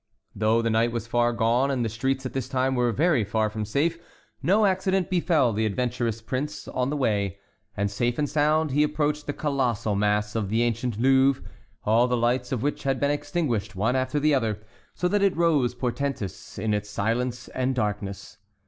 Though the night was far gone and the streets at this time were very far from safe, no accident befell the adventurous prince on the way, and safe and sound he approached the colossal mass of the ancient Louvre, all the lights of which had been extinguished one after the other, so that it rose portentous in its silence and darkness.